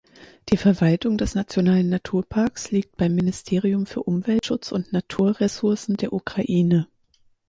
Die Verwaltung des Nationalen Naturparks liegt beim Ministerium für Umweltschutz und Naturressourcen der Ukraine.